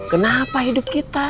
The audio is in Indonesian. kenapa hidup kita